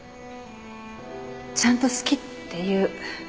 ちゃんと好きって言う。